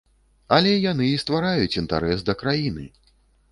Але яны і ствараюць інтарэс да краіны.